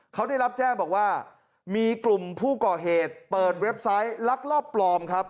เขาได้รับแจ้งบอกว่ามีกลุ่มผู้ก่อเหตุเปิดเว็บไซต์ลักลอบปลอมครับ